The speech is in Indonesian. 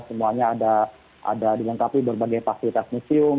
semuanya ada dilengkapi berbagai fasilitas museum